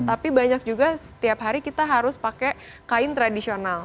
tapi banyak juga setiap hari kita harus pakai kain tradisional